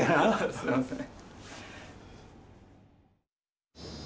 すいません。